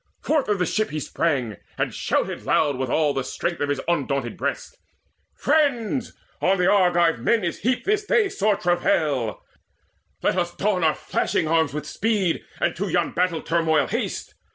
Forth of the ship he sprang, and shouted loud With all the strength of his undaunted breast: "Friends, on the Argive men is heaped this day Sore travail! Let us don our flashing arms With speed, and to yon battle turmoil haste.